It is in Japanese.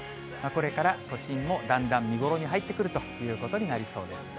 これから都心もだんだん見頃に入ってくるということになりそうです。